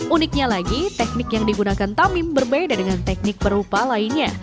uniknya lagi teknik yang digunakan tamim berbeda dengan teknik perupa lainnya